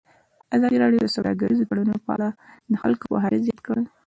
ازادي راډیو د سوداګریز تړونونه په اړه د خلکو پوهاوی زیات کړی.